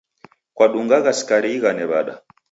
Kwadungagha sukari ighane w'ada?